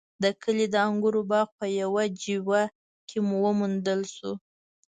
د کلي د انګورو باغ په يوه جیوه کې وموندل شو.